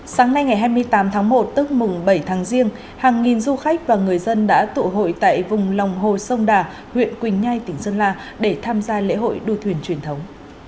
sáng nay ngày hai mươi tám tháng một tức mùng bảy tháng riêng hàng nghìn du khách và người dân đã tụ hội tại vùng lòng hồ sông đà huyện quỳnh nhai tỉnh sơn la để tham gia lễ hội đua thuyền truyền thống